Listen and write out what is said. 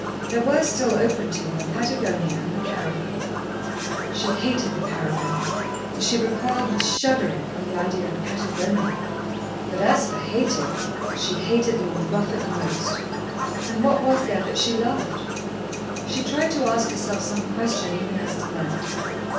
There were still open to her Patagonia and the Paragon. She hated the Paragon, and she recoiled with shuddering from the idea of Patagonia. But as for hating, she hated Lord Rufford most. And what was there that she loved? She tried to ask herself some question even as to that.